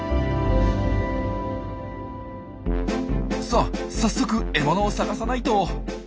さあ早速獲物を探さないと。